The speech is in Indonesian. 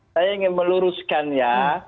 saya ingin meluruskan ya